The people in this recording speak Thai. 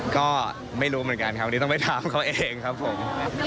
ก็ไม่รู้เหมือนกันครับวันนี้ต้องไปถามเขาเองครับผม